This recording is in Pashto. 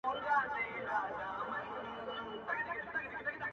لومړی ملګری د ډاکټرانو،